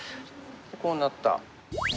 こうなった。